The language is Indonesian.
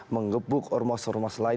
menggebuk ormas ormas lain